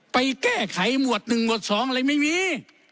ไปแก้ไขหมวด๑หมวด๒อะไรไม่มี